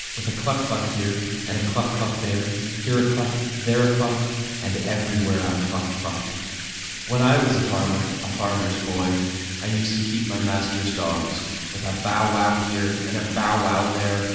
With a cluck cluck here, and a cluck cluck there. Here a cluck, and there a cluck. And everywhere a cluck cluck! When I was a farmer, a Farmer's Boy, I used to keep my master's dogs. With a bow wow here, and a bow wow there.